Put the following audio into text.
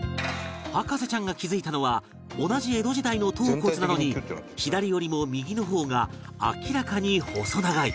博士ちゃんが気付いたのは同じ江戸時代の頭骨なのに左よりも右の方が明らかに細長い